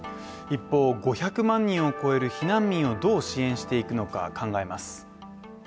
一方５００万人を超える避難民をどう支援していくのか考えます。